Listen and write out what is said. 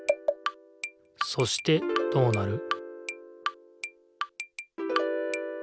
そしてどうなる？